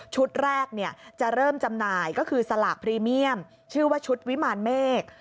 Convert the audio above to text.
แรกจะเริ่มจำหน่ายก็คือสลากพรีเมียมชื่อว่าชุดวิมารเมฆ